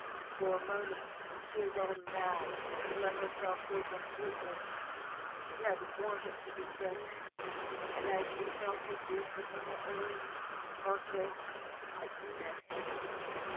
For a moment she had gone mad and let herself go completely. She had wanted to be kissed, and as she felt his lips upon her own her kiss had met his.